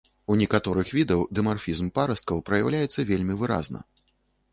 У некаторых відаў дымарфізм парасткаў праяўляецца вельмі выразна.